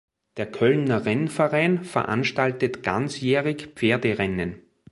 Der Kölner Rennverein veranstaltet ganzjährig Pferderennen.